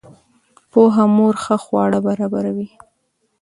پوهه مور ښه خواړه برابروي.